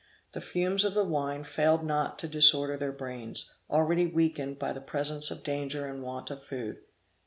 The fumes of the wine failed not to disorder their brains, already weakened by the presence of danger and want of food.